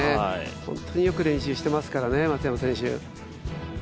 本当によく練習してますからね、松山選手。